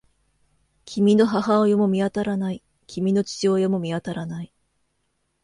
君の母親も見当たらない。君の父親も見当たらない。